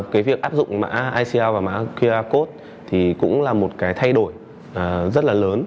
cái việc áp dụng mã isia và mã qr code thì cũng là một cái thay đổi rất là lớn